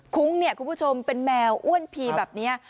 ุ้งเนี่ยคุณผู้ชมเป็นแมวอ้วนพีแบบนี้